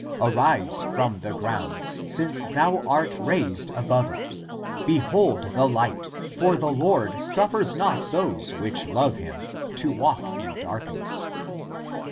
Arise from the ground, since thou art raised above it. Behold the light, for the Lord suffers not those which love him, to walk in dark ness.